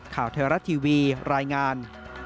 ข่าวไทยรัฐทีวีรายงาน